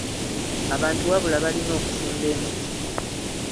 Abantu wabula balina okusimba emiti.